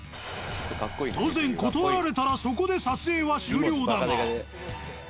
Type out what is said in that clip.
当然断られたらそこで撮影は終了だが。